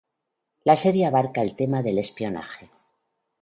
La serie abarca el tema del espionaje.